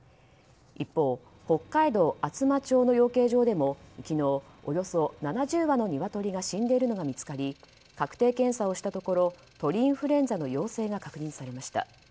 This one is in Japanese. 一方、北海道厚真町の養鶏場でも昨日、およそ７０羽の鶏が死んでいるのが見つかり確定検査をしたところ鳥インフルエンザの陽性が確認されました。